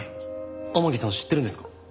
天樹さん知ってるんですか？